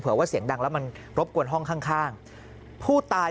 เผื่อว่าเสียงดังแล้วมันรบกวนห้องข้างผู้ตาย